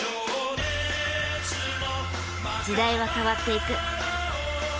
時代は変わっていく。